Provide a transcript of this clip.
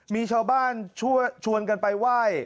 มีชาวบ้านชวนกันไปไหว้